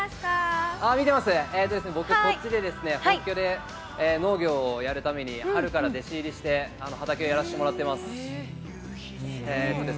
僕、こっちで、本気で農業をやるために、春から弟子入りして、畑、やらせてもらってます。